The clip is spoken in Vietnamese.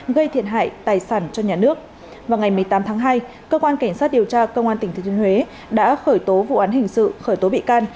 gây thiệt hại tài sản cho nhà nước vào ngày một mươi tám tháng hai cơ quan cảnh sát điều tra công an tỉnh thừa thiên huế đã khởi tố vụ án hình sự khởi tố bị can